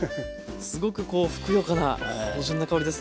すごくこうふくよかな芳醇な香りです。